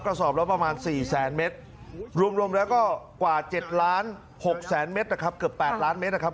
กระสอบแล้วประมาณ๔แสนเมตรรวมรวมแล้วก็กว่า๗ล้าน๖แสนเมตรนะครับ